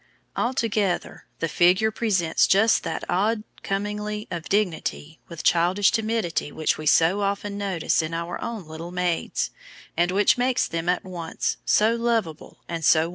Altogether, the figure presents just that odd commingling of dignity with childish timidity which we so often notice in our own little maids, and which makes them at once so lovable and so womanly.